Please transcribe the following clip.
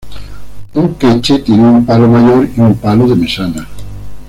Un queche tiene un palo mayor y un palo de mesana.